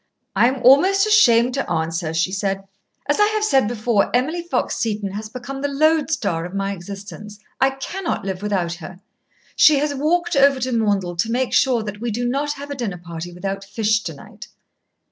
"I am almost ashamed to answer," she said. "As I have said before, Emily Fox Seton has become the lodestar of my existence. I cannot live without her. She has walked over to Maundell to make sure that we do not have a dinner party without fish to night."